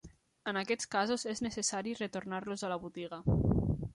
En aquests casos és necessari retornar-los a la botiga.